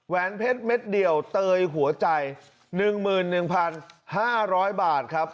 แวนเพชรเม็ดเดี่ยวเตยหัวใจ๑๑๕๐๐บาทครับ